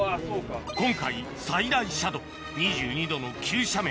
今回最大斜度２２度の急斜面